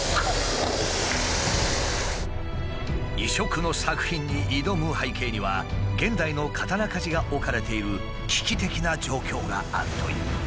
異色の作品に挑む背景には現代の刀鍛治が置かれている危機的な状況があるという。